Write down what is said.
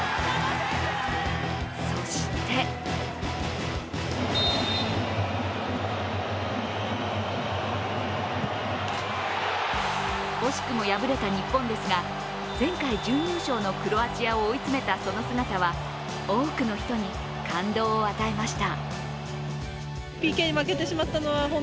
そして惜しくも敗れた日本ですが前回準優勝のクロアチアを追い詰めたその姿は、多くの人に感動を与えました。